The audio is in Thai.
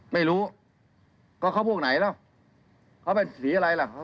ไม่รู้ก็เขาพวกไหนแล้วเขาเป็นสีอะไรล่ะ